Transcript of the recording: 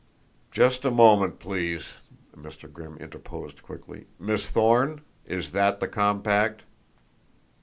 "Just a moment, please," Mr. Grimm interposed quickly. "Miss Thorne, is that the compact?"